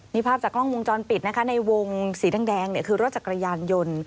มีภาพจากกล้องวงจอนปิดนะคะในวงสีดังคือรถจากกระยานโยน